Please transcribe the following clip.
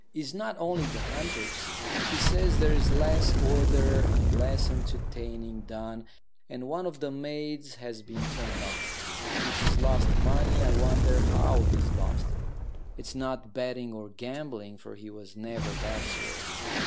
It's not only the hunters. She says there's less ordered and less entertaining done, and one of the maids has been turned off. If he's lost money, I wonder how he's lost it. It's not betting or gambling, for he was never that sort.